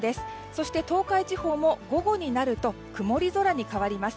そして東海地方も、午後になると曇り空に変わります。